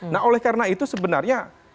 nah oleh karena itu sebenarnya